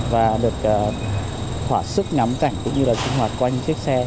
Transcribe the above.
và được thỏa sức ngắm cảnh cũng như là sinh hoạt quanh chiếc xe